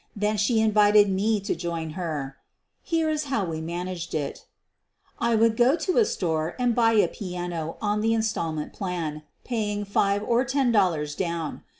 Then she invited me to join her. Here is how we man aged it: I would go to a store and buy a piano on the in stallment plan, paying five or ten dollars down.